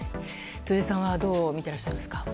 辻さんはどう見てらっしゃいますか。